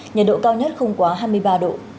nhiệt độ cao nhất không quá hai mươi ba độ